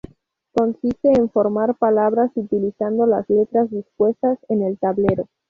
Consiste en formar palabras utilizando las letras dispuestas en el tablero.